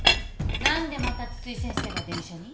何でまた津々井先生が電車に？